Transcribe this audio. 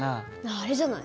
あれじゃない？